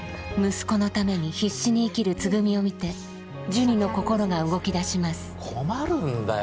息子のために必死に生きるつぐみを見てジュニの心が動きだします困るんだよ